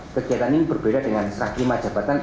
kegiatan ini berbeda dengan setelah lima jabatan